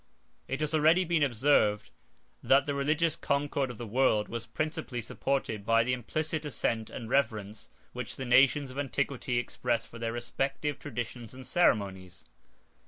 It has already been observed, that the religious concord of the world was principally supported by the implicit assent and reverence which the nations of antiquity expressed for their respective traditions and ceremonies.